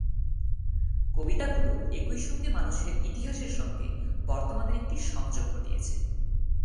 কবিতাগুলো একইসঙ্গে মানুষের ইতিহাসের সঙ্গে বর্তমানের একটি সংযোগ ঘটিয়েছে।